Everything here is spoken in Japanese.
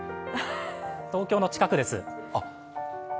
東京の近くです。